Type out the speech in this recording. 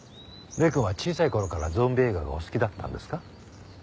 礼くんは小さい頃からゾンビ映画がお好きだったんですか？